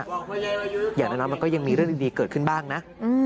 อย่างน้อยมันก็ยังมีเรื่องดีเกิดขึ้นบ้างนะ